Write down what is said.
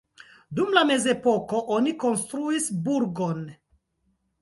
Dum la mezepoko oni konstruis burgon.